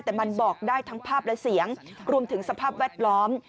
แต่มันบอกได้ทั้งภาพและเสียงรวมถึงสภาพแวดล้อม